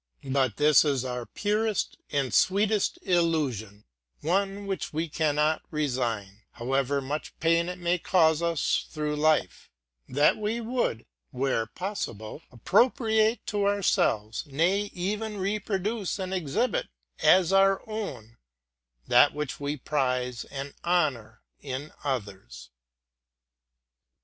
But this is our fairest and sweetest illusion, — which we must not forego, however much pain it may cause us through life, —that we would, where possible, appropriate to our selves, nay, even reproduce and exhibit as our own, that which we prize and honor in others.